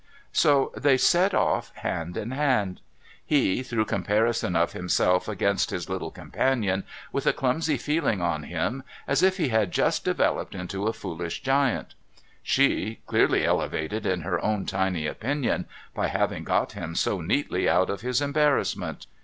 So they set off, hand in hand. He, through comparison of him self against his little companion, with a clumsy feeling on him as AN ADVENTURE 439 if he had just developed into a foolish giant. She, clearly elevated in her own tiny opinion by having got him so neatly out of his embarrassment.